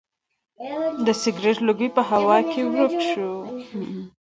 د سګرټ لوګی په هوا کې ورک شو.